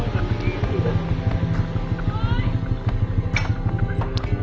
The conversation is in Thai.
ฟังบ้าไป